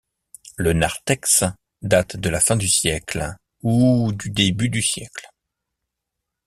Le narthex date de la fin du siècle ou du début du siècle.